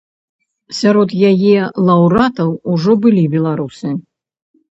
Сярод яе лаўрэатаў ужо былі беларусы.